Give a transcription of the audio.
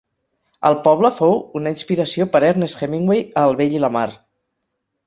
El poble fou una inspiració per Ernest Hemingway a El vell i la mar.